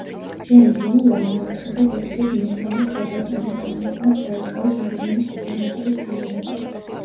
ჯეინ ბრიუერი მეოთხე და ზედიზედ მესამე ქალბატონია, რომლებმაც დაიკავეს არიზონის გუბერნატორის თანამდებობა.